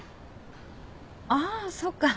あそっか。